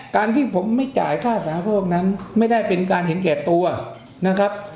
การที่ผมไม่จ่ายค่าสาธาโภคนั้นไม่ได้เป็นการเห็นแก่ตัวนะครับ